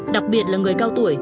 đặc biệt là người cao tuổi